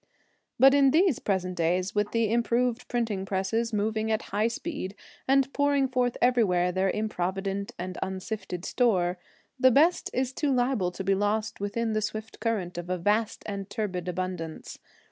But in these present days, with the improved printing presses moving at high speed and pouring forth everywhere their improvident and unsifted store, the best is too liable to be lost within the swift current of a vast and turbid abundance.